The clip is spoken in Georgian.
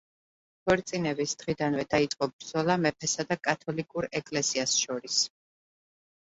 ქორწინების დღიდანვე დაიწყო ბრძოლა მეფესა და კათოლიკურ ეკლესიას შორის.